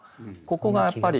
ここがやっぱり。